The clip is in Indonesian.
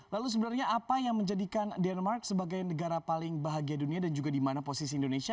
lalu sebenarnya apa yang menjadikan denmark sebagai negara paling bahagia dunia dan juga di mana posisi indonesia